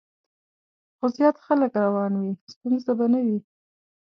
خو زیات خلک روان وي، ستونزه به نه وي.